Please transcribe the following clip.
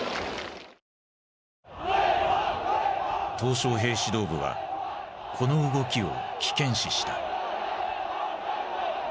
小平指導部はこの動きを危険視した。